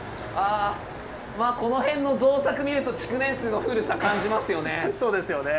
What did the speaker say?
あこの辺の造作見ると築年数の古さ感じますよね。